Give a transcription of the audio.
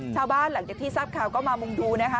ชาวบ้านหลังจากที่ซับข่าวก็มามุมดูนะคะ